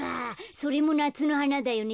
それもなつのはなだよね。